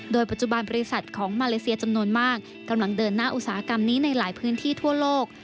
โดยปัจจุบันบริษัทของมาเลเซียจำนวนมากกำลังเดินหน้าอุตสาหกรรมนี้ในหลายพื้นที่ทั่วโลก